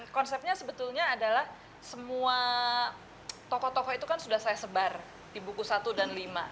konsepnya sebetulnya adalah semua tokoh tokoh itu kan sudah saya sebar di buku satu dan lima